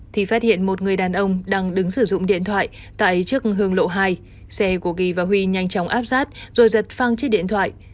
thì phát hiện một người đàn ông đang đứng sử dụng điện thoại tại trước hương lộ hai xe của kỳ và huy nhanh chóng áp sát rồi giật phang chiếc điện thoại